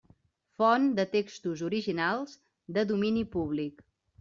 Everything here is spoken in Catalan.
Font de textos originals de domini públic.